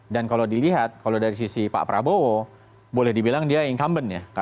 dan kalau dilihat kalau dari sisi pak prabowo boleh dibilang dia incumbent ya